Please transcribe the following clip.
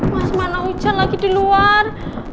pas mana hujan lagi di luar